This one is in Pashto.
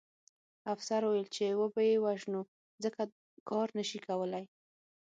افسر وویل چې وبه یې وژنو ځکه کار نه شي کولی